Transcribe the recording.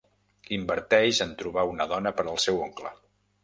Inverteix en trobar una dona per al seu oncle.